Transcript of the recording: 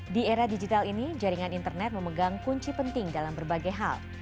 di era digital ini jaringan internet memegang kunci penting dalam berbagai hal